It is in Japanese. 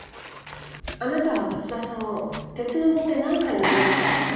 あなたは松田さんを鉄の棒で何回殴りましたか？